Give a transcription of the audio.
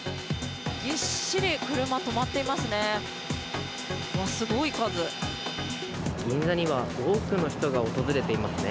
ぎっしり車止まっていますね。